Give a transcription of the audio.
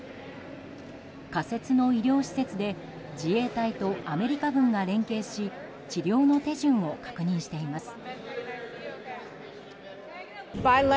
仮設の医療施設で自衛隊とアメリカ軍が連携し治療の手順を確認しています。